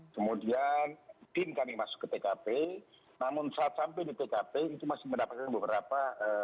kemudian tim kami masuk ke tkp namun saat sampai di tkp itu masih mendapatkan beberapa